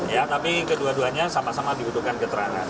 ya tapi kedua duanya sama sama dibutuhkan keterangan